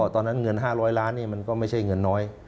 ตอนนั้นเงิน๕๐๐ล้านมันก็ไม่ใช่เงินน้อย